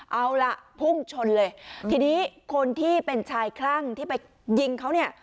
เอาล่ะพุ่งชนเลยทีนี้คนที่เป็นชายคลั่งที่ไปยิงเขาเนี่ย